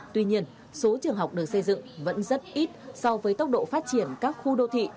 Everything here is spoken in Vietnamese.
tuy nhiên số trường học được xây dựng vẫn rất ít so với tốc độ phát triển các khu đô thị